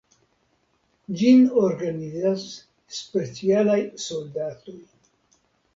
Ĝin organizas specialaj soldatoj.